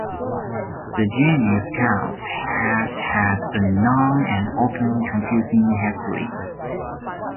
The genus "Chaos" has had a long and often confusing history.